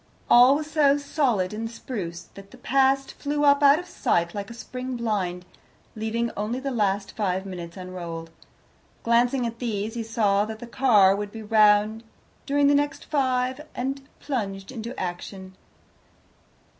All was so solid and spruce, that the past flew up out of sight like a spring blind, leaving only the last five minutes unrolled. Glancing at these, he saw that the car would be round during the next five, and plunged into action.